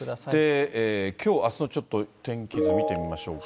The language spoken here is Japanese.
で、きょう、あすの天気図見てみましょうか。